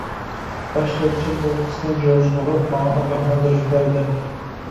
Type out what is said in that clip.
باش سوتچى بولقىسىنى جوزىغا ئۇرۇپ ماڭا ئاگاھلاندۇرۇش بەردى.